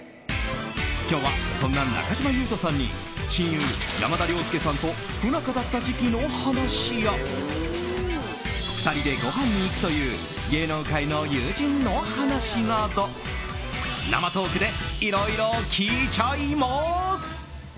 今日はそんな中島裕翔さんに親友・山田涼介さんと不仲だった時期の話や２人で、ごはんに行くという芸能界の友人の話など生トークでいろいろ聞いちゃいます。